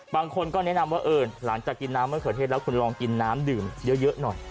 บางคนก็แนะนำว่าหลังจากกินน้ำมะเขือเทศแล้วคุณลองกินน้ำดื่มเยอะหน่อย